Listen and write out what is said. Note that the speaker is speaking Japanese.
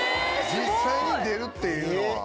実際に出るっていうのは。